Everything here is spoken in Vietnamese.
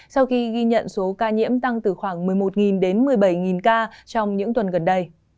sau khi ghi nhận số ca nhiễm tăng từ khoảng một mươi một đến một mươi bảy ca trong những tuần gần đây